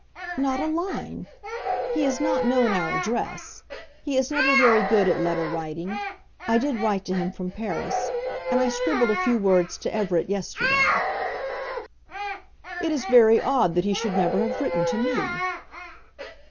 "Not a line. He has not known our address. He is never very good at letter writing. I did write to him from Paris, and I scribbled a few words to Everett yesterday." "It is very odd that he should never have written to me."